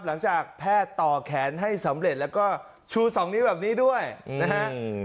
หลังจากแพทย์ต่อแขนให้สำเร็จแล้วก็ชู๒นิ้วแบบนี้ด้วยนะฮะ